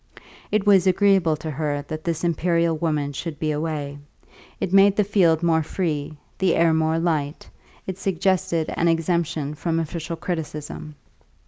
It was agreeable to her that this imperial woman should be away; it made the field more free, the air more light; it suggested an exemption from official criticism.